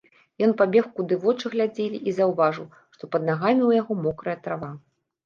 Ён пабег куды вочы глядзелі і заўважыў, што пад нагамі ў яго мокрая трава.